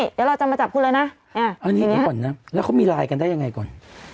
เดี๋ยวเราจะมาจับคุณเลยนะอันนี้เดี๋ยวก่อนนะแล้วเขามีไลน์กันได้ยังไงก่อน